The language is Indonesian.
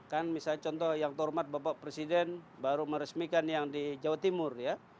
kan misalnya contoh yang hormat bapak presiden baru meresmikan yang di jawa timur ya